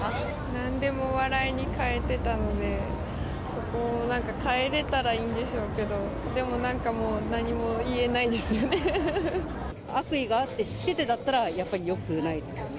なんでも笑いに変えてたので、そこをなんか、変えれたらいいんでしょうけど、でもなんかもう、何も言えないで悪意があって、知っててだったら、やっぱりよくないですよね。